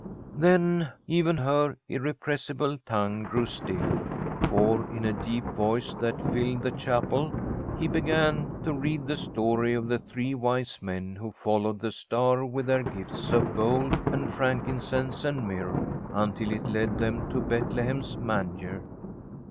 Then even her irrepressible tongue grew still, for, in a deep voice that filled the chapel, he began to read the story of the three wise men who followed the star with their gifts of gold and frankincense and myrrh, until it led them to Bethlehem's manger.